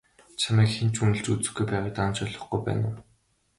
Чамайг хэн ч үнэлж үзэхгүй байгааг даанч ойлгохгүй байна уу?